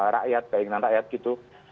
rakyat daingan rakyat gitu